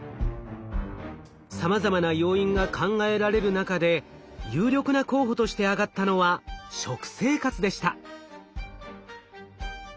さまざまな要因が考えられる中で有力な候補として挙がったのは食生活でした。